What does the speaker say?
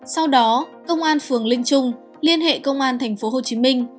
sau đó công an phường linh trung liên hệ công an thành phố hồ chí minh